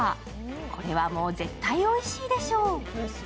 これはもう絶対おいしいでしょう。